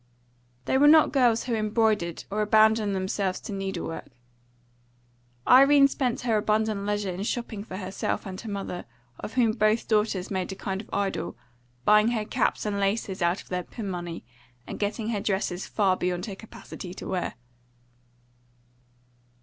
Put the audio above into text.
They were not girls who embroidered or abandoned themselves to needle work. Irene spent her abundant leisure in shopping for herself and her mother, of whom both daughters made a kind of idol, buying her caps and laces out of their pin money, and getting her dresses far beyond her capacity to wear.